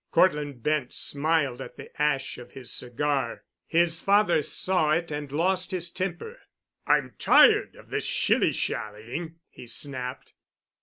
Cortland Bent smiled at the ash of his cigar. His father saw it and lost his temper. "I'm tired of this shilly shallying," he snapped.